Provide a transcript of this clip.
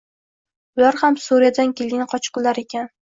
Ular ham Suriyadan kelgan qochqinlar ekan.